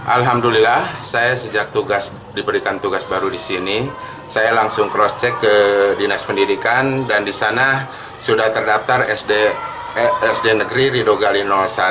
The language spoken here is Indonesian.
alhamdulillah saya sejak diberikan tugas baru disini saya langsung cross check ke dinas pendidikan dan disana sudah terdaftar sd negeri ridogali satu